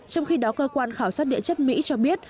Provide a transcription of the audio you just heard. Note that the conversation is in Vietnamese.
trong khi đó cơ quan khảo sát địa chất mỹ cho biết